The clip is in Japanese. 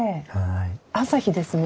朝日ですね。